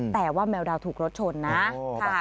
แต่ว่าแมวดาวถูกรถชนนะค่ะ